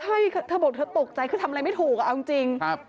ใช่เธอบอกเธอตกใจคือทำอะไรไม่ถูกเอาจริง